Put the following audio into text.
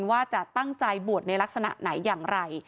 ว่าจะตั้งใจบวชในลักษณะไหนอย่างไร